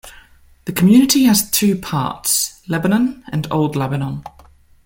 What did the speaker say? The community has two parts, Lebanon and Old Lebanon.